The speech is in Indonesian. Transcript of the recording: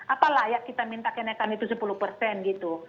apalah ya kita minta kenaikan itu sepuluh persen gitu